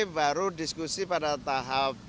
baru diskusi pada tahap